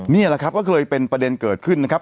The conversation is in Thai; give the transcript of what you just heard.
นี่แหละครับก็เลยเป็นประเด็นเกิดขึ้นนะครับ